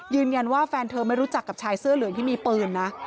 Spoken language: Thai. แฟนเธอไม่รู้จักกับชายเสื้อเหลืองที่มีปืนนะ